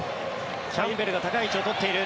キャンベルが高い位置を取っている。